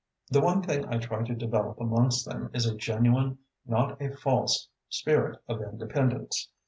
The one thing I try to develop amongst them is a genuine, not a false spirit of independence.